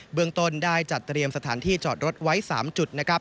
เบื้องตนได้จัดเตรียมสถานที่จอดรถไว้๓จุด